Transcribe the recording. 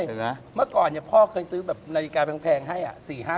เมื่อก่อนเนี่ยพ่อเคยซื้อแบบนาฬิกาแพงให้อะ